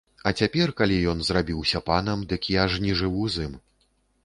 А цяпер, калі ён зрабіўся панам, дык я ж не жыву з ім.